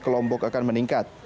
lombok akan meningkat